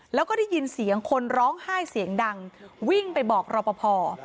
แล้วก็ได้ยินเสียงคนร้องไห้เสียงดังวิ่งไปบอกรอปภ